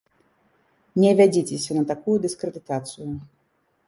Не вядзіцеся на такую дыскрэдытацыю.